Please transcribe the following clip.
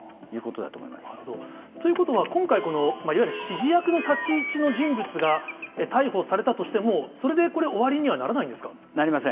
なるほど。ということは今回、いわゆる指示役の立ち位置の人物が逮捕されたとしても、それでこれ、なりません。